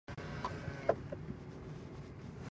له بریښنایي وسایلو لږه فاصله نیول سترګو ته ګټه لري.